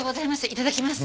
いただきます。